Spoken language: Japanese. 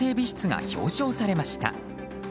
室が表彰されました。